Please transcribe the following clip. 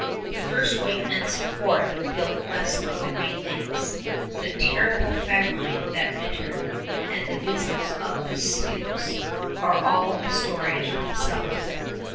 The first white man's fort built west of the Great Lakes, the terrible famine that winter, and the visits of the Sioux are all a story in themselves.